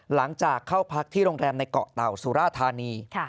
หลังจากเข้าพักที่โรงแรมในเกาะเต่าสุราธานี